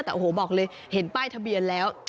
แต่โอ้โหบอกเลยเห็นป้ายทะเบียนแล้ว